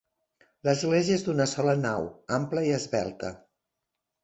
L'església és d'una sola nau, ampla i esvelta.